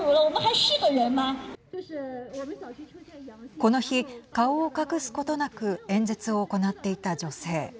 この日、顔を隠すことなく演説を行っていた女性